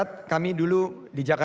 untuk zakat kami dulu dijadikan